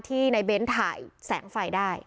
ที่ในเบนท์ถ่ายแสงไฟได้